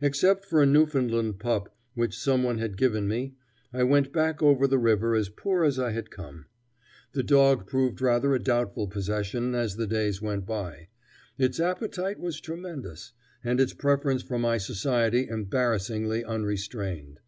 Except for a Newfoundland pup which some one had given me, I went back over the river as poor as I had come. The dog proved rather a doubtful possession as the days went by. Its appetite was tremendous, and its preference for my society embarrassingly unrestrained.